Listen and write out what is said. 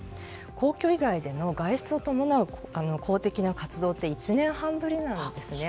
皇居以外での外出を伴う公的な活動は１年半ぶりなんですね。